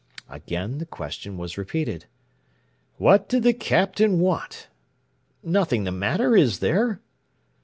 Again the question was repeated: "What did the Captain want? Nothing the matter, is there?"